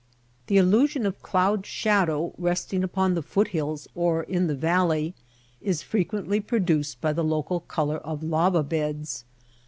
The illusion of a cloud shadow resting upon the foot hills or in the valley, is frequently pro duced by the local color of lava beds.